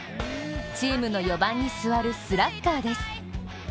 チームの４番に座るスラッガーです。